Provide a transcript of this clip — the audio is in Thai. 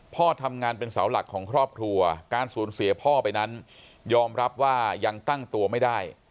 พ่อทำงานเป็นเสาหลักของครอบครัวการสูญเสียพ่อไปนั้นยอมรับว่ายังตั้งตัวไม่ได้